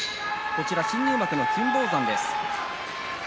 新入幕の金峰山です。